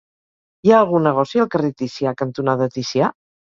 Hi ha algun negoci al carrer Ticià cantonada Ticià?